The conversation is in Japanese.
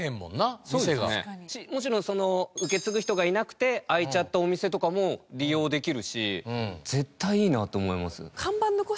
もちろん受け継ぐ人がいなくて空いちゃったお店とかも利用できるし絶対いいなと思います。